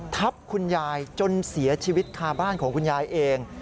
ทับคุณยายจนเสียชีวิตคาบ้านของคุณยายเอง